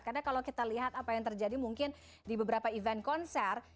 karena kalau kita lihat apa yang terjadi mungkin di beberapa event konser